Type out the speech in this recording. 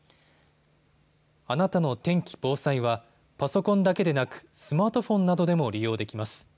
あなたの天気・防災はパソコンだけでなくスマートフォンなどでも利用できます。